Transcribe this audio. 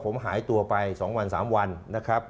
ผมหายตัวไป๒วัน๓วันนะครับ